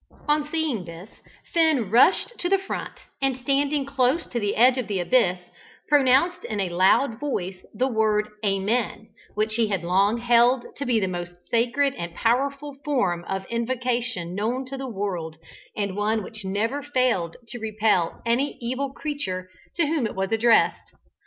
On seeing this, Finn rushed to the front, and standing close to the edge of the abyss, pronounced in a loud voice the word "Amen," which he had long held to be the most sacred and powerful form of invocation known to the world, and one which never failed to repel any evil creature to whom it was addressed.